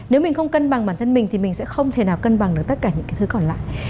nếu mình không cân bằng bản thân mình thì mình sẽ không thể nào cân bằng được tất cả những cái thứ còn lại